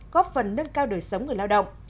góp phần nâng cao đời sống người lao động